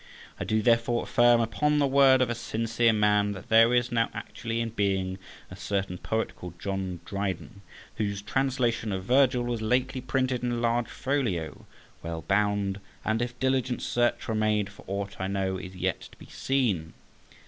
I do therefore affirm, upon the word of a sincere man, that there is now actually in being a certain poet called John Dryden, whose translation of Virgil was lately printed in large folio, well bound, and if diligent search were made, for aught I know, is yet to be seen.